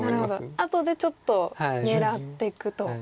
後でちょっと狙っていくと。